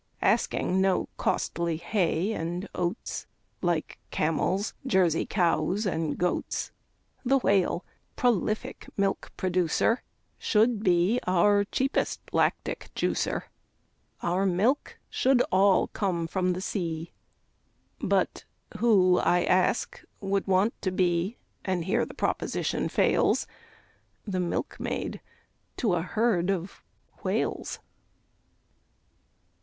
Asking no costly hay and oats, Like camels, Jersey cows, and goats, The Whale, prolific milk producer, Should be our cheapest lactic juicer. Our milk should all come from the sea, But who, I ask, would want to be, And here the proposition fails, The milkmaid to a herd of Whales?